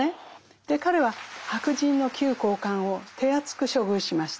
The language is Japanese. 彼は白人の旧高官を手厚く処遇しました。